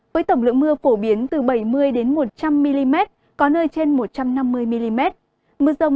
với tổng lượng mưa phổ biến là bảy mươi một trăm linh mm có nơi lên đến một trăm năm mươi mm